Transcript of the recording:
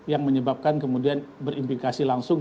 yang menyebabkan kemudian berimplikasi langsung